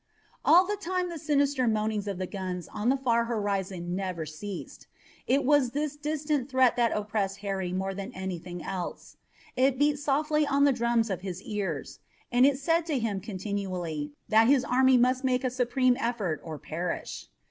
All the time the sinister moaning of the guns on the far horizon never ceased. It was this distant threat that oppressed Harry more than anything else. It beat softly on the drums of his ears, and it said to him continually that his army must make a supreme effort or perish.